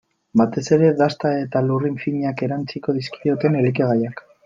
Batez ere dasta eta lurrin finak erantsiko dizkioten elikagaiak.